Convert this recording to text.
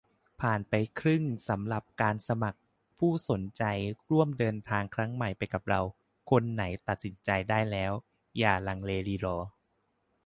ผ่านไปครึ่งสำหรับการสมัคร ผู้สนใจร่วมเดินทางครั้งใหม่ไปกับเรา คนไหนตัดสินได้แล้ว อย่าลังเลรีรอ